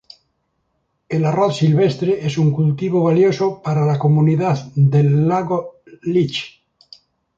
El arroz silvestre es un cultivo valioso para la comunidad del lago Leech.